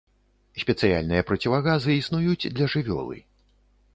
Спецыяльныя процівагазы існуюць для жывёлы.